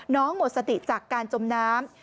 หมดสติจากการจมน้ำ